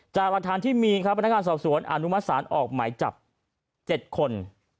จากหลักฐานที่มีครับพนักงานสอบสวนอนุมัติศาลออกหมายจับ๗คน